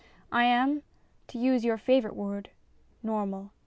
I am to use your favourite word normal.